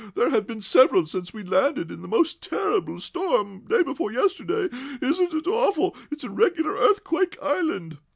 There have been several since we landed in the most terrible storm day before yesterday. Isn't it awful! It is a regular earthquake island!"